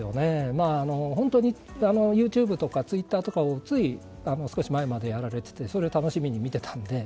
ＹｏｕＴｕｂｅとかツイッターとかをつい少し前までやられててそれを楽しみに見ていたので。